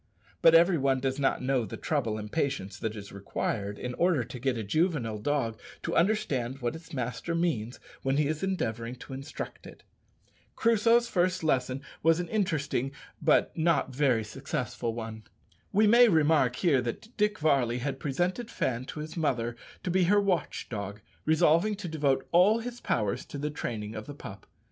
But every one does not know the trouble and patience that is required in order to get a juvenile dog to understand what its master means when he is endeavouring to instruct it. Crusoe's first lesson was an interesting but not a very successful one. We may remark here that Dick Varley had presented Fan to his mother to be her watch dog, resolving to devote all his powers to the training of the pup.